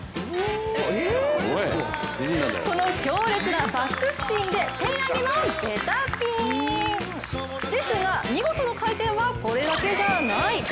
この強烈なバックスピンでテンアゲのベタピンですが、見事な回転はこれだけじゃない！